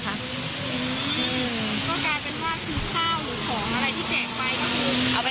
ก็กลายเป็นว่าพื้นข้าวหรือของอะไรที่แจกไป